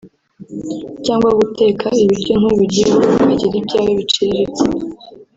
cyangwa guteka ibiryo ntubiryeho ukagira ibyawe biciriritse